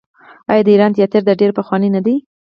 آیا د ایران تیاتر ډیر پخوانی نه دی؟